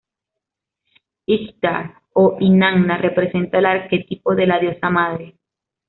Ishtar o Inanna representa el arquetipo de la Diosa madre.